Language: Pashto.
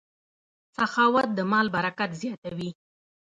سخاوت د مال برکت زیاتوي.